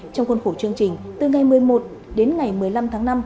trong khuôn khổ chương trình từ ngày một mươi một đến ngày một mươi năm tháng năm